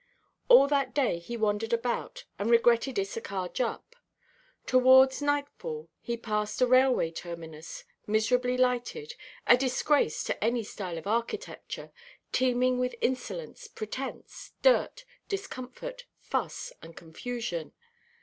All that day he wandered about, and regretted Issachar Jupp. Towards nightfall, he passed a railway terminus, miserably lighted, a disgrace to any style of architecture, teeming with insolence, pretence, dirt, discomfort, fuss, and confusion.